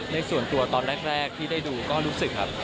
ในส่วนตัวตอนแรกที่ได้ดูก็รู้สึกครับ